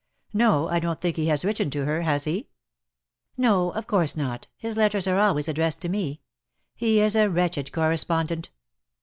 " No, I don^t think he has written to her, has he?" " No, of course not ; his letters are always addressed to me. He is a wretched correspondent."